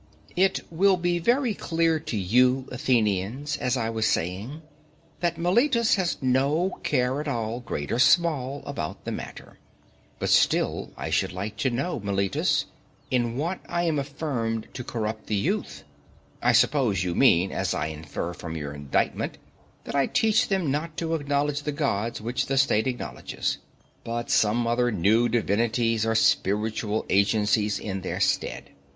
It will be very clear to you, Athenians, as I was saying, that Meletus has no care at all, great or small, about the matter. But still I should like to know, Meletus, in what I am affirmed to corrupt the young. I suppose you mean, as I infer from your indictment, that I teach them not to acknowledge the gods which the state acknowledges, but some other new divinities or spiritual agencies in their stead.